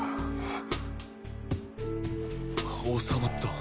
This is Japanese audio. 収まった。